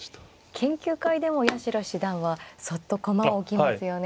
研究会でも八代七段はそっと駒を置きますよね。